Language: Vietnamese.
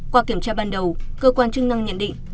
qua kiểm tra ban đầu cơ quan chức năng nhận định